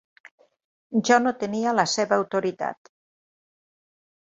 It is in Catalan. Jo no tenia la seva autoritat.